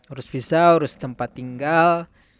urus visa urus tempat tinggal